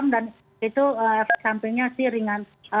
dan itu efek sampingnya ringan